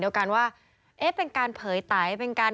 เดินหน้าไปทั้งไหน